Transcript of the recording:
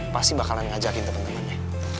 pasti bakalan ngajakin temen temennya